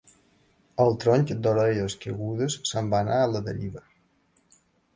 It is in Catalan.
El tronc d'Orelles Caigudes se'n va anar a la deriva.